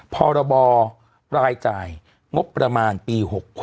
พรบรายจ่ายงบประมาณปี๖๖